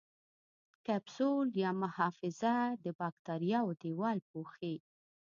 کپسول یا محفظه د باکتریاوو دیوال پوښي.